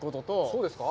そうですか？